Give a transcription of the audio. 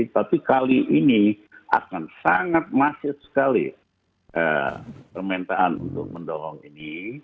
tapi kali ini akan sangat masif sekali permintaan untuk mendorong ini